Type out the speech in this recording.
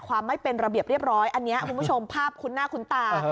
ความไม่เป็นระเบียบเรียบร้อยอันนี้คุณผู้ชมภาพคุ้นหน้าคุ้นตา